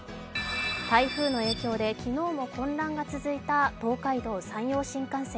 台風の影響で昨日も混乱が続いた東海道・山陽新幹線。